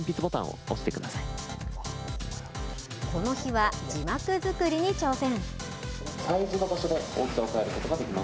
この日は字幕作りに挑戦。